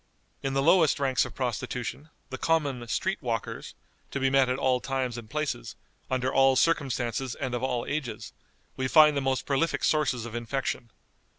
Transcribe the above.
In the lowest ranks of prostitution, the common "street walkers," to be met at all times and places, under all circumstances and of all ages, we find the most prolific sources of infection.